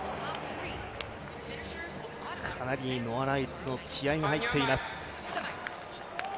かなりノア・ライルズの気合いが入っています。